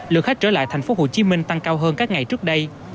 lượng khách trở lại tp hcm tăng cao hơn các ngày trước đây